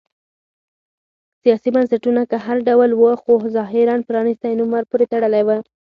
سیاسي بنسټونه که هر ډول و خو ظاهراً پرانیستی نوم ورپورې تړلی و.